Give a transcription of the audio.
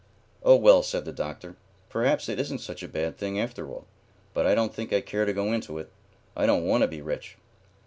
"Oh, well," said the Doctor, "perhaps it isn't such a bad thing, after all; but I don't think I care to go into it. I don't want to be rich."